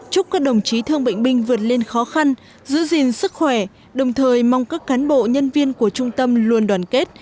chúc các đồng chí thương bệnh binh vượt lên khó khăn giữ gìn sức khỏe đồng thời mong các cán bộ nhân viên của trung tâm luôn đoàn kết